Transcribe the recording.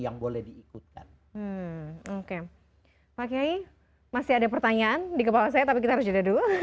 yang boleh diikutkan